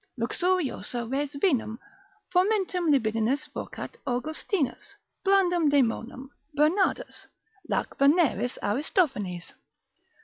Luxuriosa res vinum, fomentum libidinis vocat Augustinus, blandum daemonem, Bernardus; lac veneris, Aristophanes.